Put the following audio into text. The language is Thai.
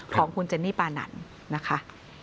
ของคุณเจนนี่ปานันนะคะ